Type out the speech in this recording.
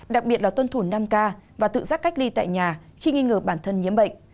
đặc biệt là tuân thủ năm k và tự giác cách ly tại nhà khi nghi ngờ bản thân nhiễm bệnh